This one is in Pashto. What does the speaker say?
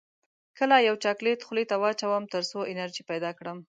کله یو چاکلیټ خولې ته واچوم تر څو انرژي پیدا کړم